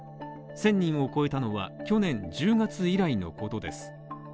１０００人を超えたのは去年１０月以来のことです